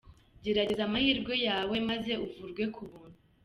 Gerageza amahirwe yawe maze uvurwe ku buntu.